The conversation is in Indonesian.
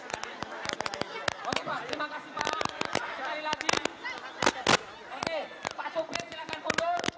biar kami tenangin teman teman kami dulu